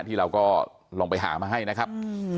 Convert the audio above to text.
ที่เราก็ลองไปหามาให้นะครับ